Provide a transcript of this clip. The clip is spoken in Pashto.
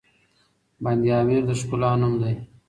بند امير د ښکلا نوم دی.